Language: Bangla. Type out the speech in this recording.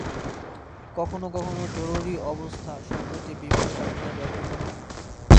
কখনও কখনও "জরুরী অবস্থা" শব্দটি বিমান চালনায় ব্যবহৃত হয়।